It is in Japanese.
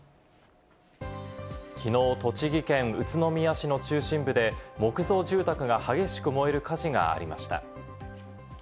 きのう、栃木県宇都宮市の中心部で木造住宅が激しく燃える火事がありました。